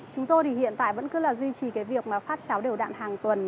chúng tôi thì hiện tại vẫn cứ là duy trì cái việc mà phát cháo đều đạn hàng tuần